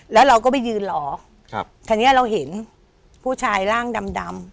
แล้วเราก็ไปยืนรอครับทีนี้เราเห็นผู้ชายร่างดำดำ